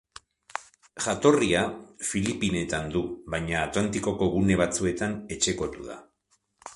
Jatorria Filipinetan du, baina Atlantikoko gune batzuetan etxekotu da.